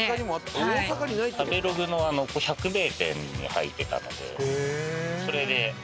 食べログの百名店に入ってたのでそれで。